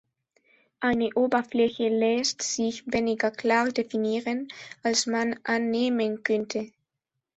Eine Oberfläche lässt sich weniger klar definieren, als man annehmen könnte.